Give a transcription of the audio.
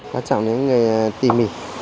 quan trọng những người tỉ mỉ